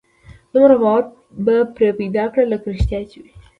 دومره باور به پرې پيدا کړي لکه رښتيا چې وي.